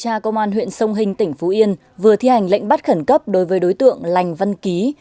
điều tra công an huyện sông hình tỉnh phú yên vừa thi hành lệnh bắt khẩn cấp đối với đối tượng lành văn ký